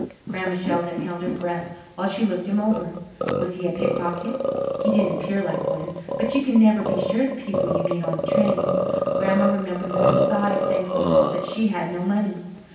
Grandma Sheldon held her breath while she looked him over. Was he a pickpocket? He didn't appear like one, but you can never be sure of the people you meet on the train. Grandma remembered with a sigh of thankfulness that she had no money.